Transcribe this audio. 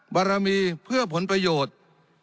บารมีเพื่อผลประโยชน์